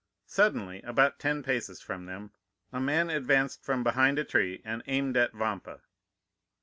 "Suddenly, about ten paces from them, a man advanced from behind a tree and aimed at Vampa.